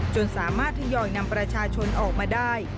จนสามารถทยอยนำประชาชนออกมาได้